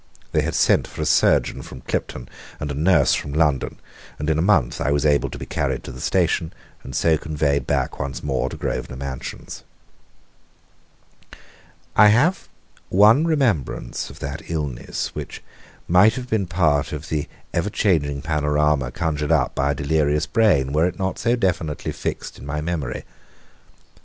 They had sent for a surgeon from Clipton and a nurse from London, and in a month I was able to be carried to the station, and so conveyed back once more to Grosvenor Mansions. I have one remembrance of that illness, which might have been part of the ever changing panorama conjured up by a delirious brain were it not so definitely fixed in my memory.